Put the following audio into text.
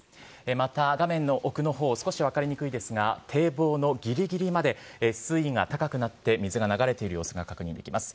また画面の奥のほう、少し分かりにくいですが、堤防のぎりぎりまで水位が高くなって、水が流れている様子が確認できます。